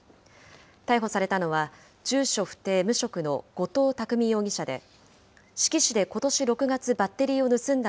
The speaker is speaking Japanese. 逮捕されたのは、住所不定無職の後藤巧容疑者で、志木市でことし６月、バッテリーを盗んだ